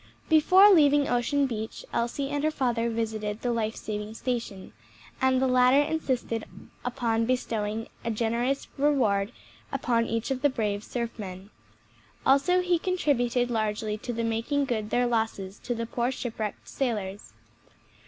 Before leaving Ocean Beach, Elsie and her father visited the life saving station, and the latter insisted upon bestowing a generous reward upon each of the brave surfmen. Also he contributed largely to the making good their losses to the poor shipwrecked sailors.